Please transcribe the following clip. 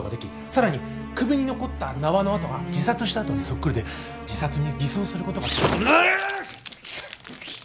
さらに首に残った縄の痕が自殺した痕にそっくりで自殺に偽装することがぬわああーっ！